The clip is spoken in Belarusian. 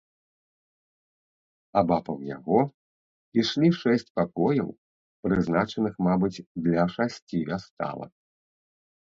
Абапал яго ішлі шэсць пакояў, прызначаных, мабыць, для шасці вясталак.